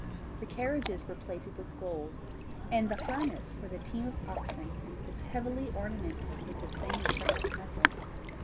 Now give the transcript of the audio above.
The carriages are plated with gold, and the harness for the team of oxen is heavily ornamented with the same precious metal.